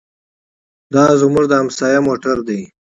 دا زموږ د همسایه موټر دی.